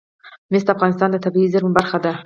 مس د افغانستان د طبیعي زیرمو برخه ده.